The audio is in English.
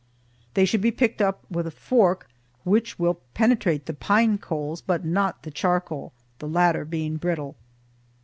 They should be picked up with a fork which will penetrate the pine coals, but not the charcoal, the latter being brittle.